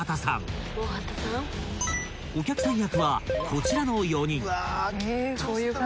［お客さん役はこちらの４人］